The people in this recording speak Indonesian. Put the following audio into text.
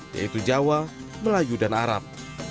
yaitu jawa melayu dan arab